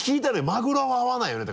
「マグロは合わないよね？」